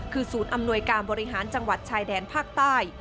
คือศูนย์อำนวยการบริหารจังหวัดชายแดนภาคใต้